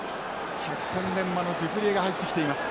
百戦錬磨のデュプレアが入ってきています。